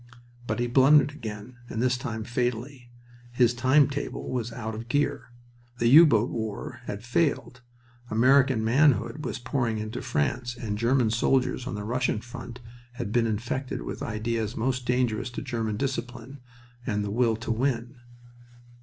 But he blundered again, and this time fatally. His time table was out of gear. The U boat war had failed. American manhood was pouring into France, and German soldiers on the Russian front had been infected with ideas most dangerous to German discipline and the "will to win."